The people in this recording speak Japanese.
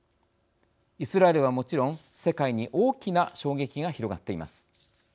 イスラエルはもちろん世界に大きな衝撃が広がっています。